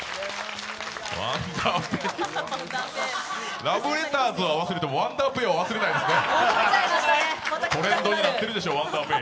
ワンダーペイラブレターズは忘れてもワンダーペイは忘れないですね。